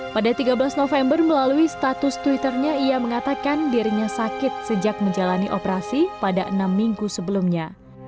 pada tiga belas november melalui status twitternya ia mengatakan dirinya sakit sejak menjalani operasi pada enam minggu sebelumnya